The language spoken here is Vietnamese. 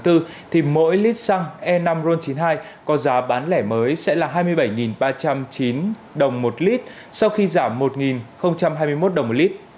thì mỗi lít xăng e năm ron chín mươi hai có giá bán lẻ mới sẽ là hai mươi bảy ba trăm chín đồng một lít sau khi giảm một hai mươi một đồng một lít